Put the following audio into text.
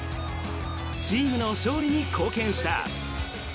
チームの勝利に貢献した。